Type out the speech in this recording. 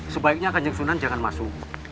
sebaiknya kanjeng sunan jangan masuk